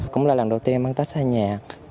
cũng là lần đầu tiên em ăn tết xa nhà